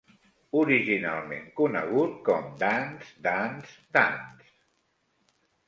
Originalment conegut com Dance, Dance, Dance!